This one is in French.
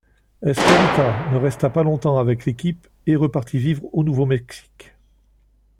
Esperita ne resta pas longtemps avec l'équipe et repartit vivre au Nouveau-Mexique.